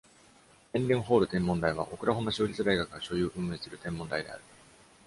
メンデンホール天文台は、オクラホマ州立大学が所有・運営する天文台である。